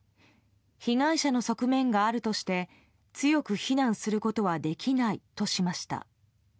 被害者の側面があるとして強く非難することはできないとしました。